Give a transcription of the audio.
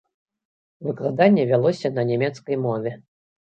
Выкладанне вялося на нямецкай мове.